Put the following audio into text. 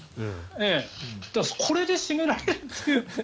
これで絞められるという。